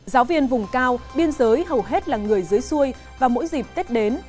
giáo viên vùng cao biên giới hầu hết là người dưới xuôi và mỗi dịp tết đến